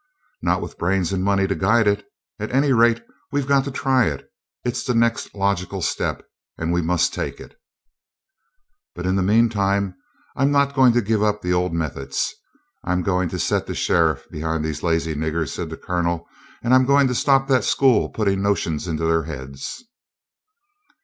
"Not with brains and money to guide it. And at any rate, we've got to try it; it's the next logical step, and we must take it." "But in the meantime, I'm not going to give up good old methods; I'm going to set the sheriff behind these lazy niggers," said the Colonel; "and I'm going to stop that school putting notions into their heads."